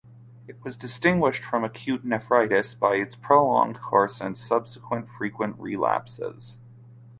It was distinguished from acute nephritis by its prolonged course and subsequent frequent relapses.